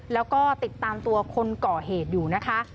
แล้วก็ติดตามตัวคนก่อเหตุอยู่นะคะ